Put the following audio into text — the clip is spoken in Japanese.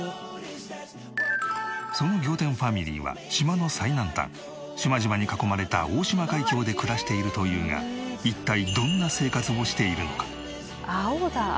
その仰天ファミリーは島の最南端島々に囲まれた大島海峡で暮らしているというが一体どんな生活をしているのか。